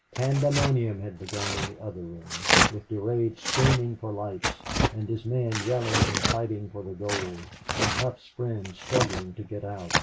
Pandemonium had begun in the other room, with Durade screaming for lights, and his men yelling and fighting for the gold, and Hough's friends struggling to get out.